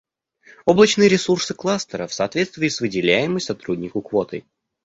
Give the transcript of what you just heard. Облачные ресурсы кластера в соответствии с выделяемой сотруднику квотой